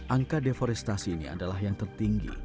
angka deforestasi ini adalah yang tertinggi